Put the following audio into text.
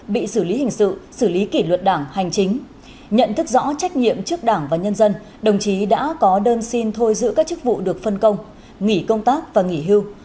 bị xử lý hình sự xử lý kỷ luật đảng hành chính nhận thức rõ trách nhiệm trước đảng và nhân dân đồng chí đã có đơn xin thôi giữ các chức vụ được phân công nghỉ công tác và nghỉ hưu